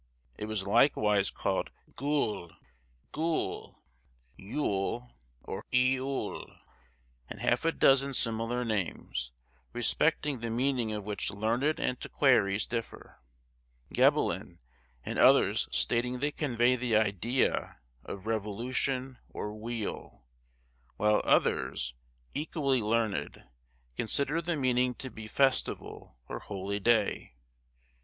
It was likewise called Gule, Gwyl, Yule, or Iul, and half a dozen similar names, respecting the meaning of which learned antiquaries differ: Gebelin and others stating they convey the idea of revolution or wheel; while others, equally learned, consider the meaning to be festival, or holy day.